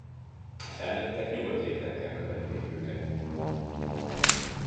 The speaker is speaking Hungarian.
A felnőttek nyugodt léptekkel követték őket.